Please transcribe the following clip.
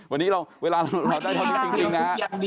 วันนี้เวลาเราได้เชิญมากจริงนะ